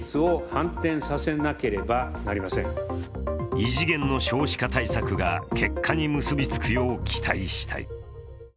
異次元の少子化対策が結果に結びつくよう期待したい。